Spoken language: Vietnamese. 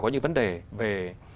có những vấn đề về